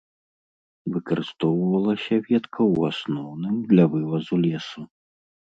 Выкарыстоўвалася ветка ў асноўным для вывазу лесу.